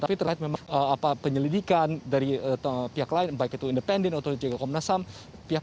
tapi terhadap penyelidikan dari pihak lain baik itu independen atau juga komnasam pihak